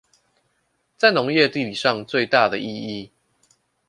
在農業地理上最大的意義